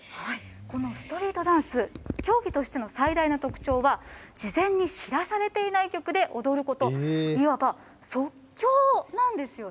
このストリートダンス、競技としての最大の特徴は事前に知らされていない曲で踊ること、いわば即興なんです。